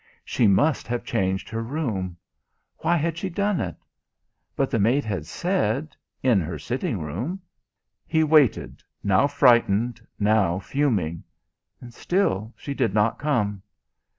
She must have changed her room why had she done it? But the maid had said in her sitting room He waited now frightened, now fuming. Still she did not come.